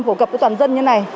phổ cập cho toàn dân như này